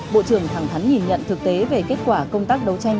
bộ trưởng thẳng thắn nhìn nhận thực tế về kết quả công tác đấu tranh